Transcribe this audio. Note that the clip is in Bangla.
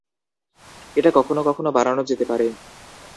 এটা কখনও কখনও বাড়ানো যেতে পারে।